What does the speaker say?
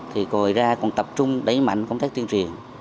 thì gọi ra còn tập trung đẩy mạnh công tác tiên triền